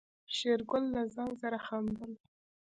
شېرګل له ځان سره خندل.